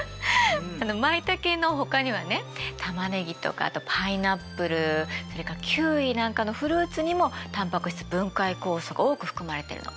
マイタケのほかにはねタマネギとかあとパイナップルそれからキウイなんかのフルーツにもタンパク質分解酵素が多く含まれてるの。